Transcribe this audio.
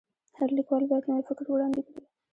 هر لیکوال باید نوی فکر وړاندي کړي.